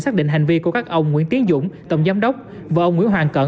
xác định hành vi của các ông nguyễn tiến dũng tổng giám đốc và ông nguyễn hoàng cận